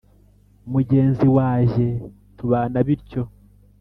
mugenzi wajye tubana bityo